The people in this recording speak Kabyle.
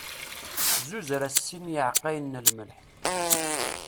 Zzuzer-as sin yiɛqqayen n lmelḥ.